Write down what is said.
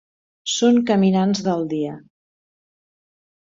Són caminants del dia.